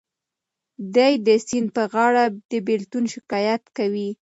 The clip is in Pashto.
دی د سیند په غاړه د بېلتون شکایت کوي.